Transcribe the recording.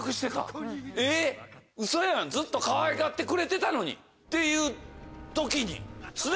えっウソやんずっとかわいがってくれてたのにっていう時に。